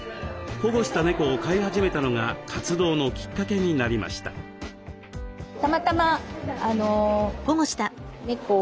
保護した猫を飼い始めたのが活動のきっかけになりました。